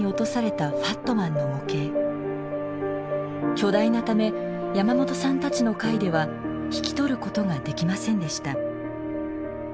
巨大なため山本さんたちの会では引き取ることができませんでした。